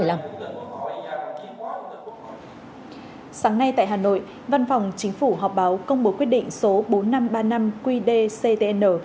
sáng nay tại hà nội văn phòng chính phủ họp báo công bố quyết định số bốn nghìn năm trăm ba mươi năm qd ctn